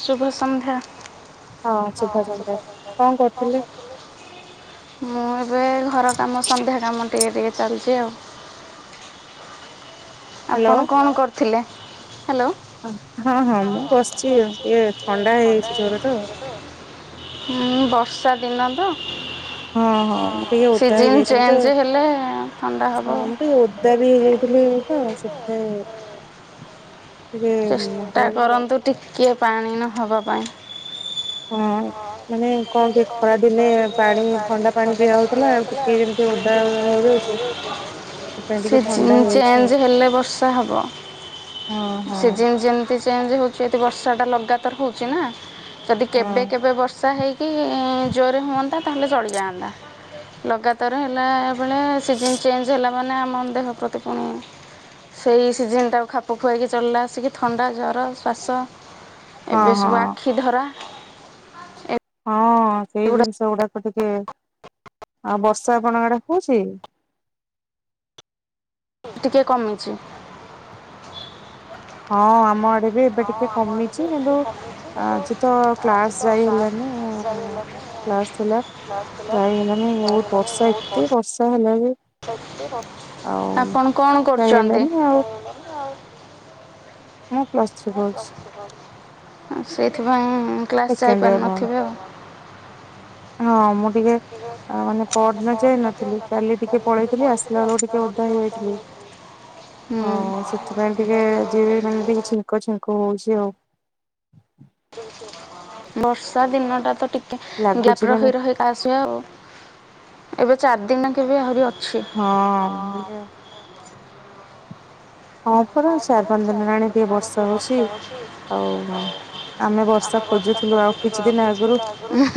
ଶୁଭ ସନ୍ଧ୍ୟା। ହଁ ଶୁଭ ସନ୍ଧ୍ୟା କଁ କରୁଥିଲେ? ମୁଁ ଏବେ ଘର କାମ ସନ୍ଧ୍ୟା କାମ ଟିକେ ଟିକି ଚାଲିଛି ଆଉ। ଆପଣ କଣ କରିଥିଲେ ହାଲୋ? ହଁ ହଁ ମୁଁ ବସିଛି ଆଉ ଏ ଥଣ୍ଡା ହେଇଯାଇଛି ଜୋରେ ତ। ହୁଁ ବର୍ଷା ଦିନ ତ। ସିଜନ ଚେଞ୍ଜ ହେଲେ ଥଣ୍ଡା ହବ। ଓଦା ବି ହେଇ ଯାଇ ଥିଲି ତ ସେଥି ପାଇଁ ଟିକେ ହ ଟିକେ ପାଣି ନହେବା ପାଇଁ। ହଁ ମାନେ କଣ କି ଖରା ଦିନେ ପାଣି ଥଣ୍ଡା ପାଣି ପିଆ ହେଇଥିଲା ଟିକେ। ସେ ଓଦା ହେଇଯାଉଛି। ସିଜିନ୍ ଚେଞ୍ଜ ହେଲେ ବର୍ଷା ହବ। ସିଜନ୍ ଯେମିତି ଚେଞ୍ଜ ହଉଛି ଏଠି ବର୍ଷାଟା ଲଗାତାର ହଉଛି ନା। ଯଦି କେବେ କେବେ ବର୍ଷା ହେଇ କି ଜୋରେ ହୁଅନ୍ତା ତାହେଲେ ଚଳିଯାଆନ୍ତା। ଲଗାତାର ହେଲା ବଳେ ସିଜନ୍ ଚେଞ୍ଜ ହେଲା। ମାନେ ଆମ ଦେହ ପ୍ରତି ପୁଣି ସେଇ ସିଜନ୍ ଟାକୁ ଖାପ ଖୁଆଇକି ଚଲିଲା ଆସିକି ଥଣ୍ଡା ଜର ଶ୍ୱାସ ଏବେ ସବୁ ଆଖି ଧରା। ହଁ ସେଇ ଜିନିଷ ଗୁଡାକ ଟିକେ, ଆଉ ବର୍ଷା ଆପଣଙ୍କ ଆଡେ ହଉଛି? ଟିକେ କମିଛି। ହଁ ଆମ ଆଡେ ଏ ଏବେ ଟିକେ କମିଛି କିନ୍ତୁ ଆଜି ତ କ୍ଲାସ୍ ଯାଇ ହେଲାନି ଅ,। ମୋ କ୍ଲାସ୍ ଥିଲା ଯାଇ ହେଲାନି ବହୁତ ବର୍ଷା, ଏତେ ବର୍ଷା ହେଲା ଯେ ଆପଣ କଣ କରୁଛନ୍ତି? ହେଲାନି ଆଉ, ମୁଁ ପ୍ଲସ୍ ଥ୍ରୀ କରୁଛି। ହଁ ସେଇଥିପାଇଁ କ୍ଲାସ୍ ଯାଇପାରିନଥିବେ। ହଁ ମୁ ଟିକେ ଅ, ଆ, ମୁଁ ପରଦିନ ଯାଇ ନଥିଲି, କାଲି ଟିକେ ପଳେଇଥିଲି ଆସିଲା ବେଳକୁ ଟିକେ ଓଦା ହେଇଯାଇଥିଲି। ହଁ ସେଥିପାଇଁ ଟିକେ ଯେ ମାନେ ଟିକେ ଛିଙ୍କ ଛିଙ୍କ ହଉଛି ଆଉ। ବର୍ଷା ଦିନଟା ତ ଟିକେ ଗ୍ୟାପ୍ ରହି ରହି ତା ଆସିବ, ଏବେ ଚାରି ଦିନ କେବେ ଆହୁରି ଅଛି। ହଁ [unintelligible] ହଁ ପୁରା ଚାରି ପାଞ୍ଚ ଦିନ ହେଲାଣି ଟିକେ ବର୍ଷା ହଉଛି। ଆଉ ହଁ ଆମେ ବର୍ଷା ଖୋଜୁଥିଲୁ ଆଉ କିଛି ଦିନ ଆଗରୁ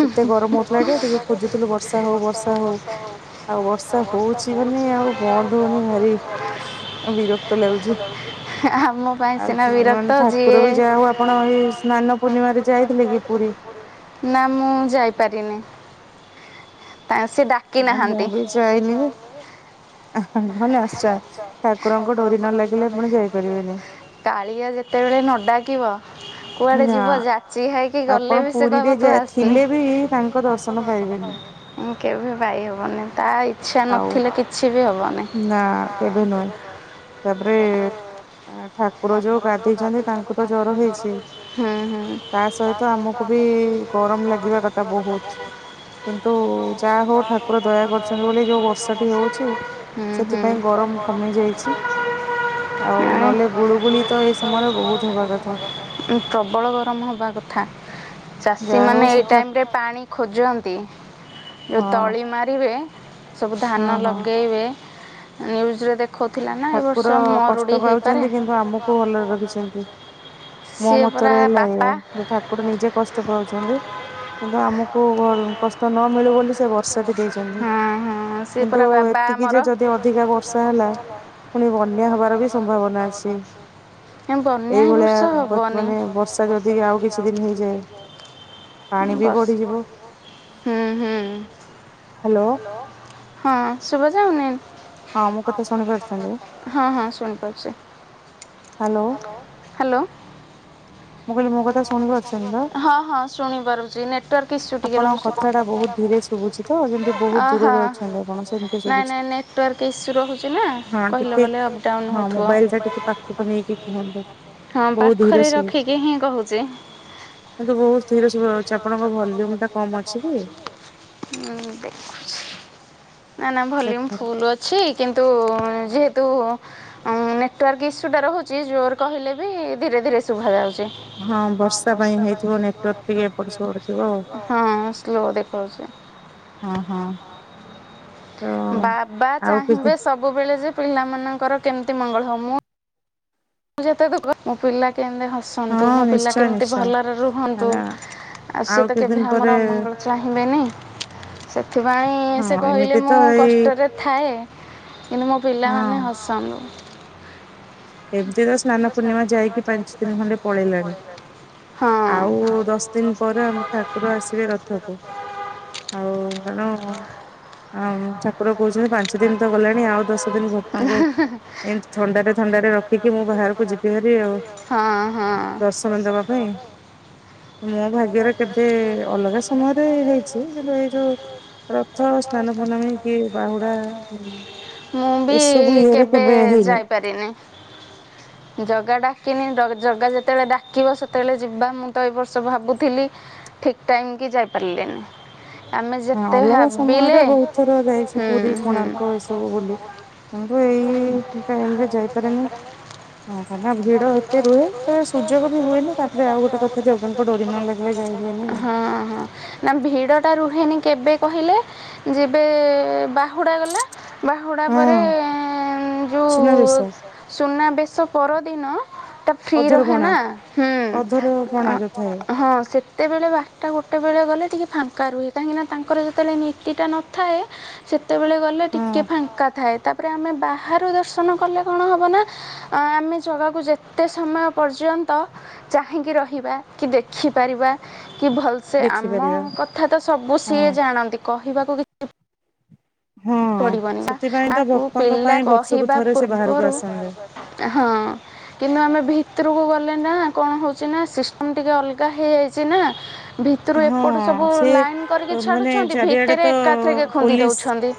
ଏତେ ଗରମ ହଉଥିଲା ଯେ ଟିକେ ମୁଁ ଟିକେ ଖୋଜୁଥିଲି ବର୍ଷା ହଉ ବର୍ଷା ହଉ, ଆଉ ବର୍ଷା ହେଉଛି ବୋଲି ତ ଆଉ ବନ୍ଦ ହଉନି। ଅ, ବିର କ୍ତ ଲାଗୂଛି, ଆଉ ମାନେ ଠାକୁର ବି ଯାହା ହଉ ଆପଣ ଏଇ ସ୍ନାନ ସ୍ନାନ ପୂର୍ଣ୍ଣିମାରେ ଯାଇଥିଲ କି ପୁରୀ? ନା ମୁଁ ଯାଇପାରିନି। ତା ସେ ଡା ନା ମୁଁ ବି ଯାଇନି ବି। ଓହୋ, ମାନେ ଆସ, ଠାକୁରଙ୍କ ଡୋରି ନ ଲାଗିଲେ ପୁଣି ଯାଇପାରିବେନି। କାଳିଆ ଯେତେବେଳେ ନ ଡାକିବ କୁଆଡେ ଯିବ? ଯାଚି ହେଇ କି ଗଲେ ବି ସେ କହିବ ତୁ ଆସନି। ମୁଁ କେବେ ପାଇ ହବନି, ତା ଇଚ୍ଛା ନଥିଲେ କିଛି ବି ହବନି। ନା କେବେ ନୁହେଁ। ତାପରେ ଠାକୁର ଯୋଉ ଗାଧେଇ ସାଇଲେ ତାଙ୍କୁ ତ ଜର ହେଇଛି। ତା ସହିତ ଆମକୁ ବି ଗରମ ଲାଗିବା କଥା କହୁ [inaudible] କିନ୍ତୁ ଯାହା ହଉ ଠାକୁର ଦୟା କରିଛନ୍ତି ବୋଲି ଯୋଉ ବର୍ଷାଟି ହଉଛି। ହୁଁ, ହୁଁ। ଗରମ କମି ଯାଇଛି। ଆଉ ନହେଲେ ଗୁଳୁଗୁଳି ତ ଏଇ ସମୟରେ ବହୁତ ହବା କଥା। ଉଁ, ପ୍ରବଳ ଗରମ ହବା କଥା, ଚାଷୀମାନେ ଏଇ ଟାଇମ୍ ରେ ପାଣି ଖୋଜନ୍ତି ଯୋଉ ତଳି ମାରିବେ ସବୁ ଧାନ ଲଗେଇବେ ନ୍ୟୁଜ ର ଦେ ଠାକୁର କଷ୍ଟ ପାଉଛନ୍ତି କିନ୍ତୁ ଆମକୁ ଭଲରେ ରଖିଛନ୍ତି। ମୋ ମତରେ ହେଲା ଏଇଆ ଯେ ଠାକୁର ନିଜେ କଷ୍ଟ ପାଉଛନ୍ତି। କିନ୍ତୁ ଆମକୁକଣ କଷ୍ଟ ନ ମିଳୁ ବୋଲି ସେ ବର୍ଷାଟି ଦେଇଛନ୍ତି। କିନ୍ତୁ ଏତିକି ଯେ ଯଦି ଅଧିକା ବର୍ଷା ହେଲା ହ ପୁଣି ବନ୍ୟା ହବାର ବି ସମ୍ଭାବନା ଅଛି। ନାଇଁ ବନ୍ୟା ଏ ବର୍ଷ ହବନି। ବସ୍ ହୁଁ ହୁ। ହଁ ଶୁଭା ଯାଉନି? ହଁ ମୋ କଥା ଶୁଣିପାରୁଛନ୍ତି? ହଁ ହଁ ଶୁଣିପାରୁଛି। ହ୍ୟାଲୋ। ହ୍ୟାଲୋ। [inaudible] ହଁ ହଁ ଶୁଣି ପାରୁଛି ନେଟୱାର୍ ଇସୁ ଟିକେ ରହୁଛି। ଅହୋ ନାଇଁ ନାଇଁ ନେଟୱାର୍କ ରହୁଛି ନା କହିଲା ବଲେ ଅପଡାଉନ ହଉଥିବ। ହଁ ପାଖରେ ରଖିକି ହିଁ କହୁଛି। କିନ୍ତୁ ବହୁତ ଧୀରେ ଶଭାଯାଉଛି ଆପଣଙ୍କ ଭଲ୍ୟୁମ ଟା କମ ଅଛି କି? ହଁ ଦେଖୁଛି ନା ନା ଭଲ୍ୟୁମ ଫୁଲ ଅଛି କିନ୍ତୁ ଯେହେତୁ ନେଟୱାର୍କ ଇସ୍ୟୁଟା ରହୁଛି ଜୋରେ କହିଲେ ବି ଧୀରେ ଧୀରେ ଶୁଭା ଯାଉଛି। ହଁ ସ୍ଲୋରେ କହୁଚି। ହଁ ହଁ। ବାବା ଚାହିଁବେ ସବୁବେଳେ ଯେ ପିଲାମାନଙ୍କର କେମିତି ମଙ୍ଗଳ ହବ ମୁଁ ଯେତେ ଦୁଃଖ ମୋ ପିଲା କେମତି ହସୁ। ଆନ୍ତୁ ମୋ ପିଲା କେମିତି ଭଲରେ ରୁହନ୍ତୁ ଆଉ ସିଏ ତ କେବେ ଆମର ଅମଙ୍ଗଳ ଚାହିଁବେନି ସେଥିପାଇଁ ସେ କହିଲେ ମୁଁ କଷ୍ଟରେ ଥାଏ କିନ୍ତୁ ମୋ ପିଲାମାନେ ହସନ୍ତୁ। ଏମିତି ତ ସ୍ନାନ ପୂର୍ଣ୍ଣିମା ଯାଇକି ପାଞ୍ଚ ଦିନ ଖଣ୍ଡେ ପଳେଇଲାଣି ଆଉ ଦଶ ଦିନ ପରେ ଆମ ଠାକୁର ଆସିବେ ରଥକୁ ଆଉ କଣ ଆଉ ଠାକୁର କହୁଛନ୍ତି ପାଞ୍ଚ ଦିନ ତ ଗଲାଣି ଆଉ ଦଶ ଦିନ ଭକ୍ତଙ୍କ ଏମିତି ଥଣ୍ଡାରେ ଥଣ୍ଡାରେ ରଖିକି ମୁଁ ବାହାରକୁ ଯିବି ହାରି ଆଉ ଦର୍ଶନ ଦବା ପାଇଁ। ମୋ ଭାଗ୍ୟରେ କେବେ ଅଲଗା ସମୟରେ ହେଇଛି କିନ୍ତୁ ଏଇ ଯୋଉ ମୁଁ ବି କେବେ ଯାଇ ପାରିବିନି। ଜଗା ଡାକିନି ଜଗା ଯେତେବେଳେ ଡାକିବ ସେତେବେଳେ ଯିବା ମୁଁ ତ ଏ ବର୍ଷ ଭାବୁଥିଲି ଠିକ ଟାଇମ କି ଯାଇ ପାରିଲିନି। ଆମେ ଯେତେ ଭାବିଲେ ହୁଁ ହୁଁ। ସବୁ ବୁଲି କିନ୍ତୁ ଏଇ ଟାଇମ ରେ ଯାଇପାରେନି। ହ କ ନା ଭିଡ ଭିତରେ ତ ସୁଯୋଗ ବି ହୁଏନି ତାପରେ ଆଉ ଗୋଟେ କଥା ଯଗା ଙ୍କୁ ଡୋରି ନ ଲାଗେ ହଁ ହଁ। ମାମ ଭିଡ଼ଟା ରୁହେନି କେବେ କହିଲେ ଯେବେ ବାହୁଡ଼ା ଗଲା ବାହୁଡ଼ା ପରେ ଉ ଯଉ ସୁନା ବେସ ପରଦିନ ଟା ଫ୍ରି ରହେ ନା ହୁଁ ହଁ ସେ ସେତେବେଳେ ବାରଟା ଗୋଟେବେଳେ ଗଲେ ଟିକିଏ ଫାଙ୍କା ରୁହେ କାହିଁକିନା ତାଙ୍କର ଜେତେବେଳେ ନୀତିଟା ନଥାଏ ସେତେବେଳେ ଗଲେ ଟିକିଏ ଫାଙ୍କା ଥାଏ ତାପରେ ଆମେ ବାହାରୁ ଦର୍ଶନ କଲେ କଣ ହେବ ନା ଆମେ ଜଗାକୁ ଯେତେ ସମୟ ପର୍ଯ୍ୟନ୍ତ ଚାହିଁକି ରହିବା କି ଦେଖିପାରିବା କି ଭଲ ସେ ଆମ କଥା ତ ସବୁ ସିଏ ଜାଣନ୍ତି କହିବାକୁ କିଛ ପଡିବନି ବା ତାଙ୍କୁ ପିଲା କହିବା ପୂର୍ବରୁ [unintelligible] ହଁ। କିନ୍ତୁ ଆମେ ଭିତରକୁ ଗଲେ ନା କଣ ହଉଛି ନା ସିଷ୍ଟମ ଟିକେ ଅଲଗା ହେଇଯାଇଛି ନା ଭିତରୁ ଏପଟୁ ସବୁ ଲାଇନ୍ କରିକି ଛାଡ଼ୁଛନ୍ତି ଭିତରେ ଏକାଥରେକ ଖନ୍ଦି ଦେଉଛନ୍ତି।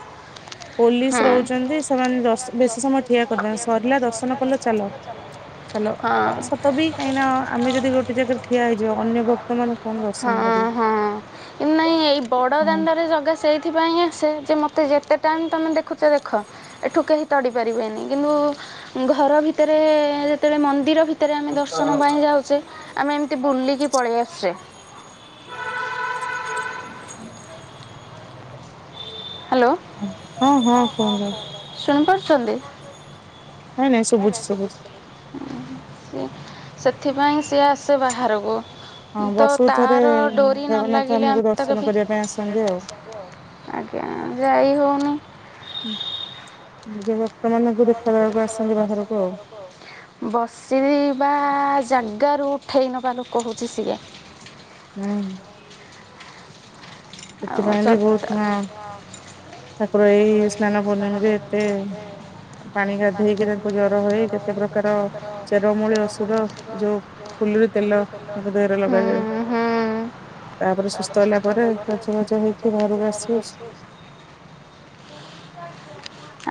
ପୋଲିସ ରହୁଛନ୍ତି ସେମାନେ ବେଶୀ ସମୟ ଠିଆ କରିଦିଅନ୍ତିନି ସରିଲା ଦର୍ଶନ କଲ ଚାଲ ଚାଲ ସତ ବି କାହିଁକି ନା ଆମେ ଯଦି ଗୋଟେ ଜାଗାରେ ଠିଆ ହେଇଯିବ ଅନ୍ୟ ଭକ୍ତ ମାନେ କଣ ଦର୍ଶନ ହଁ ହଁ ନାଇଁ ଏଇ ବଡ଼ ଦାଣ୍ଡରେ ଜଗା ସେଇଥିପାଇଁଁ ଆସେ ଯେ ମୋତେ ଯେତେ ଟାଇମ୍ ତମେ ଦେଖୁଛ ଦେଖ ଏଠୁ କେହି ତଡ଼ି ପାରିବେନି କିନ୍ତୁ ଘର ଭିତରେ ଯେତେବେଳେ ମନ୍ଦିର ଭିତ ଭିତରେ ଆମେ ଦର୍ଶନ ପାଇଁ ଯାଉଛେ ଆମେ ଏମିତି ବୁଲିକି ପଳେଇ ଆସୁଛେ। ହ୍ୟାଲୋ ଶୁଣିପାରୁଛନ୍ତି। ନାଇଁ ନାଇଁ ଶୁଭୁଛି ଶୁଭୁଛି। ସେଥିପାଇଁ ସିଏ ଆସେ ବାହାରକୁ ତ ତାର ଡୋରି ନ ଲାଗିଲେ ଆମେ ତାଙ୍କ ଭି ପାଇଁ ଆସନ୍ତି ଆଉ ନା ଯାଇ ହେଉନି। ନିଜ ଭକ୍ତ ମାନଙ୍କୁ ଦେଖଲା ବେଳକୁ ଆସଛନ୍ତି ବାହାରକୁ ଆଉ ବସିବି ବା ଜାଗାରୁ ଉଠେଇ ନେବା ଲୋକ ହଉଛି ସିଏ। ହୁଁ। ସେଥିପଇଁ ବି ବହୁତ ନାଁ ଠାକୁର ଏଇ ସ୍ନାନପୂର୍ଣ୍ଣମି ରେ ଏତେ ପାଣି ଗାଧେଇକି ତାଙ୍କୁ ଜର ହେଇ କେତେ ପ୍ରକାର ଚେରମୂଳି ଔଷଧ ଯୋଉ ଫୁଲୁର ତେଲ ତାଙ୍କ ଦେହରେ ଲଗାଯାଏ ତାପରେ ସୁସ୍ଥ ହେଲା ପରେ ସଜା ହେଇକି ଭାରି [unintelligible]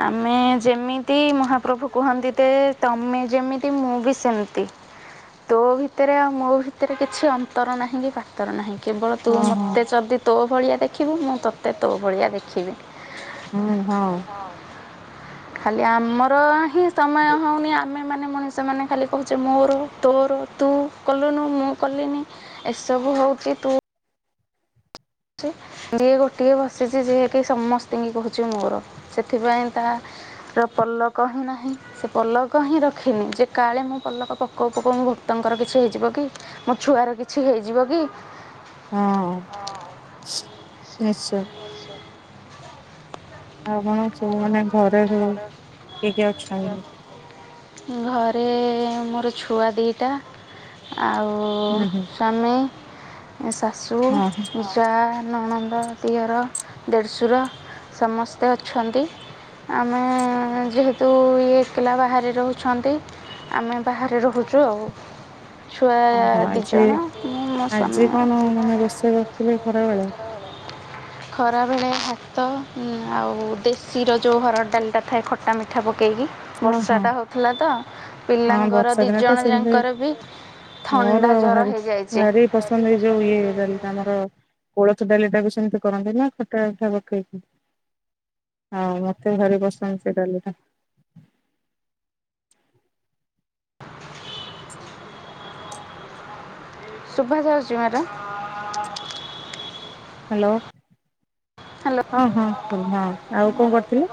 ଆମେ ଯେମିତି ମହାପ୍ରଭୁ କୁହନ୍ତି ଯେ ତମେ ଯେମିତି ମୁଁ ବି ସେମିତି। ତୋ ଭିତରେ ଆଉ ମୋ ଭିତରେ କିଛି ଅନ୍ତର ନାହିଁ କି ବା ଅନ୍ତ ର ନାହିଁ କେବଳ ତୁ ମତେ ଯଦି ତୋ ଭଳିଆ ଦେଖିବୁ ମୁଁ ତୋତେ ତୋ ଭଳିଆ ଦେଖିବି। ହୁଁ ହଁ। ଖାଲି ଆମର ହିଁ ସମୟ ହଉନି ଆମେ ମାନେ ମଣିଷ ସେମାନେ ଖାଲି କହୁଛେ ମୋର ତୋର ତୁ କଲୁନୁ ମୁଁ କଲିନି ଏସବୁ ହଉଛି ତୁ ଦିଅଁ ଗୋଟିଏ ବସିଛି ଯିଏ କିି ସମସ୍ତିଙ୍କି କହୁଛି ମୋର ସେଥିପାଇଁ ତା ର ପଲକ ହିଁ ନାହିଁ। ସେ ପଲକ ହିଁ ରଖେନି ଯେ କାଳେ ମୋ ପଲକ ପକଉ ପକଉ ମୋ ଭକ୍ତଙ୍କର କିଛି ହେଇଯିବ କି? ମୋ ଛୁଆର କିଛି ହେଇଯିବ କି? ହଁ ନିଶ୍ଚୟ। ଆପଣ ସବୁ ମାନେ ଘର କୁ କିଏ କିଏ ଅଛନ୍ତି। ଘରେ ମୋର ଛୁଆ ଦୁଇଟା ଆଉ ସ୍ୱାମୀ ଶାଶୁ ଯା ନଣନ୍ଦ ତିଅର ଦେଢ଼ଶୁର ସମସ୍ତେ ଅଛନ୍ତି। ଆମେ ଯେହେତୁ ଇ ଥିଲା ବାହାରେ ରହୁଛନ୍ତି ଆମେ ବାହାରେ ରହୁଛୁ ଆଉ ଛୁଆ ଦି ଜଣ ମୁଁ ମୋ ସ୍ୱାମୀ [inaudible] ଖରା ବେଳେ ହାତ ଆଉ ଦେଶୀର ଯୋଉ ହରଡ଼ ଡାଲିଟା ଥାଏ ଖ ତା ମିଠା ପକେଇକି ବର୍ଷାଟା ହେଉଥିଲା ତ ପିଲାଙ୍କର ଦିଇଜଣ ଯାଙ୍କର ବି ଥଣ୍ଡା ଜର ହେଇଯାଇଛି ଆମର କୋଳଥ ଡାଲି ଟାକୁ ସେମିତି କରନ୍ତି ନା ଖଟା ଖଟା ପକେଇକି ହଁ ମତେ ଭାରି ପସନ୍ଦ ସେ ଡାଲିଟା ସୁଭା ଯାଉଛି ମ୍ୟାଡ଼ାମ୍ ହ୍ୟାଲୋ ହଁ ହଁ ହଁ ଶୁଭା ଆଉ କଣ କରୁଥିଲେ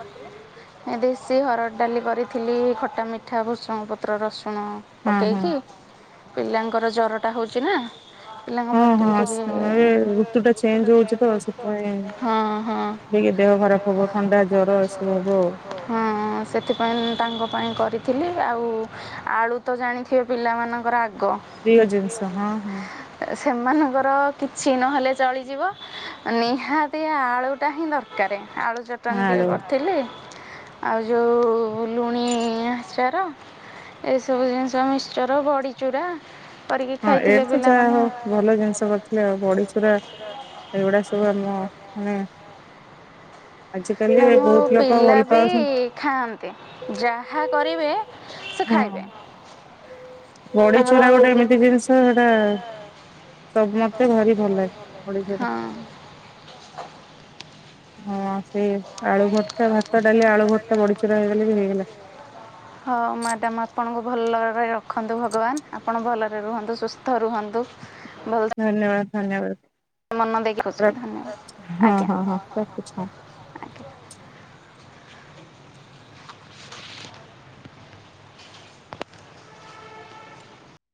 ଏ ଦେଶୀ ହରଡ଼ ଡାଲି କରିଥିଲି ଖଟା ମିଠା ଭୁସୁଙ୍ଗ ପତ୍ର ରସୁଣ ପକେଇକି ପିଲାଙ୍କର ଜରଟା ହଉଛି ନା ହଁ ହଁ ସେ ଋତୁ ଟା ଚେଞ୍ଜ ହଉଛି ତ ସେଥିପାଇଁ ଟିକେ ଦେହ ଖରାପ ହବ ଥଣ୍ଡା ଜର ଏସବୁ ହବ ଆଉ ସେଥିପାଇଁ ମୁଁ ତାଙ୍କ ପାଇଁ କରିଥିଲି ଆଉ ଆଳୁ ତ ଜାଣିଥିବେ ପିଲାମାନଙ୍କର ଆଗ ପ୍ରିୟ ଜିନିଷ ହଁ ହଁ ସେମାନଙ୍କର କିଛି ନହେଲେ ଚଳିଯିବ ନିହାତି ସେ ଆଳୁଟା ହିଁ ଦରକାରେ ଆଳୁ ଚଟଣି ଟିକେ କରିଥିଲି ଆଉ ଯଉ ଲୁଣି ଆଚାର ଏସବୁ ଜିନିଷ ମିସ୍ଚର ବଡି ରୁରା କରିକି ଖାଇଥିଲେ ପିଲାମାନେ ଆ ଭଲ ଜିନିଷ ଆଉ ବଡିଚୁରା ଏଇଗୁଡା ସବୁ ଆମ ମାନେ ନା ମୁଁ ପିଲା ବି ଖାଆନ୍ତି ଯାହା କରିବେ ସେ ଖାଇବେ ବଡି ଚୁରା ଗୋଟେ ଏମିତି ଜିନିଷ ସେଟା ସମସ୍ତେ ଭାରି ଭଲ ଲାଗେ ବଡ଼ି ଚୁରା ହଁ ସେ ଆଳୁ ଭର୍ତା ଭାତ ଡାଲି ଆଳୁ ଭର୍ତା ବଡି ଚୁରା ହେଇଗଲେ ବି ହେଇଗଲା ହଁ ମ୍ୟାଡ଼ମ୍ ଆପଣଙ୍କୁ ଭଲରେ ରଖନ୍ତୁ ଭଗବାନ୍ ଆପଣ ଭଲରେ ରୁହନ୍ତୁ ସୁସ୍ଥ ରୁହନ୍ତୁ ବହୁ ଧନ୍ୟବାଦ୍ ଧନ୍ୟବାଦ୍ ରଖ ହଁ ହଁ ହଁ ରଖୁଛି ହଁ